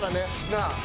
なあ。